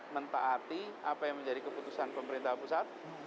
mentaati apa yang menjadi keputusan pemerintah pusat